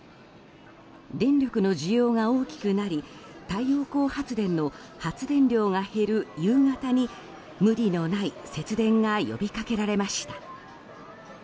電力の需要が大きくなり太陽光発電の発電量が減る夕方に無理のない節電が呼びかけられました。